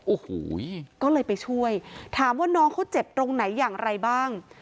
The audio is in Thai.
โอ้โหก็เลยไปช่วยถามว่าน้องเขาเจ็บตรงไหนอย่างไรบ้าง